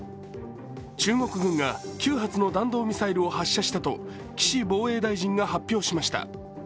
中国軍が９発の弾道ミサイルを発射したと岸防衛大臣が発表しました。